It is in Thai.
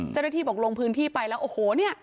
เจ้าหน้าที่บอกลงพื้นที่ไปแล้วโอ้โหเนี่ย